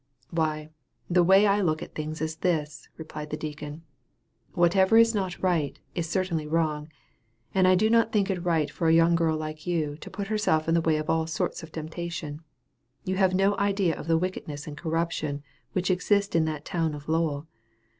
"Why, the way that I look at things is this," replied the deacon: "whatever is not right, is certainly wrong; and I do not think it right for a young girl like you, to put herself in the way of all sorts of temptation. You have no idea of the wickedness and corruption which exist in that town of Lowell.